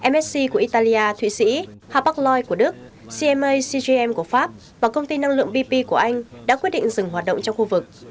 msc của italia thụy sĩ hapag loy của đức cma cjm của pháp và công ty năng lượng bp của anh đã quyết định dừng hoạt động trong khu vực